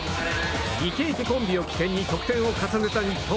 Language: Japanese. イケイケコンビを起点に得点を重ねた日本。